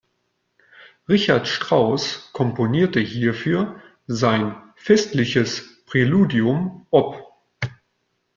Richard Strauss komponierte hierfür sein "Festliches Präludium op.